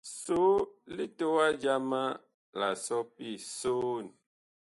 So litowa jama la sɔpi soon.